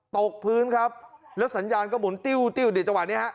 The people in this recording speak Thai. ตกพื้นครับแล้วสัญญาณก็หมุนติ้วติ้วในจังหวะนี้ฮะ